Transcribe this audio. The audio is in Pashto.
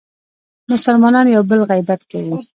مسلمانان یو بل غیبت کوي.